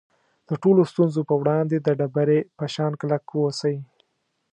د ټولو ستونزو په وړاندې د ډبرې په شان کلک واوسئ.